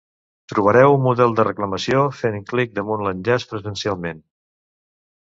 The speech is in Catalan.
Trobareu un model de reclamació fent clic damunt l'enllaç 'Presencialment'.